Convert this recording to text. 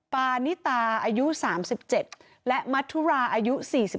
ปานิตาอายุ๓๗และมัธุราอายุ๔๒